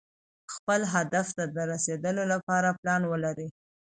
خپل هدف ته د رسېدو لپاره پلان ولرئ.